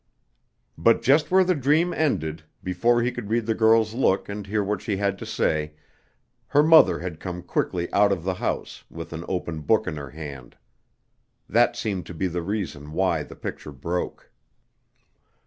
But just where the dream ended, before he could read the girl's look and hear what she had to say, her mother had come quickly out of the house, with an open book in her hand. That seemed to be the reason why the picture broke.